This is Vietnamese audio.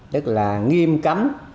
tức là nghiêm cấm